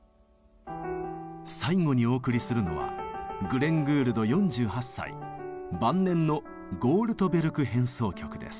最後にお送りするのはグレン・グールド４８歳晩年の「ゴールトベルク変奏曲」です。